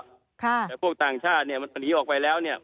แต่พวกต่างชาติเนี่ยมันหนีออกไปแล้วเนี่ย